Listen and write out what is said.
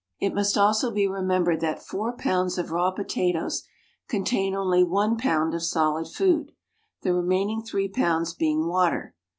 It must also be remembered that four pounds of raw potatoes contain only one pound of solid food, the remaining three pounds being water.